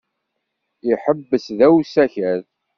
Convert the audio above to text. Iḥebbes da usakal?